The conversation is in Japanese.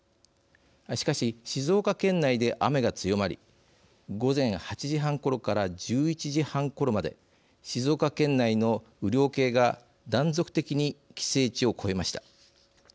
しかし、静岡県内で雨が強まり午前８時半ころから１１時半ころまで静岡県内の雨量計が断続的に、規制値を超えました。